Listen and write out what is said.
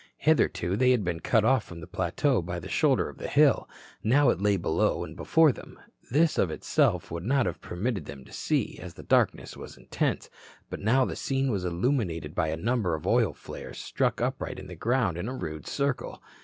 Hitherto, they had been cut off from the plateau by the shoulder of the hill. Now it lay below and before them. This of itself would not have permitted them to see, as the darkness was intense. But now the scene was illuminated by a number of oil flares stuck upright in the ground in a rude circle.